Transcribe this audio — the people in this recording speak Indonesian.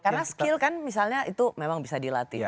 karena skill kan misalnya itu memang bisa dilatih